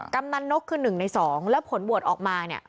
กำนันนกคือ๑ใน๒แล้วผลโหวตออกมาเนี่ย